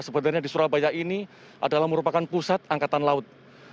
sebenarnya di surabaya ini adalah merupakan pusat angkatan laut